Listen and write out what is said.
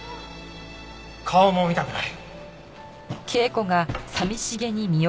顔も見たくない。